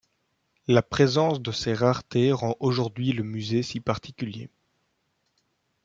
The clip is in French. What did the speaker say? La présence de ces raretés rend aujourd'hui le musée si particulier.